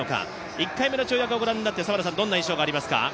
１回目の跳躍をご覧になって、どういう印象がありますか？